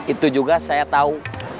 itu juga saya tahu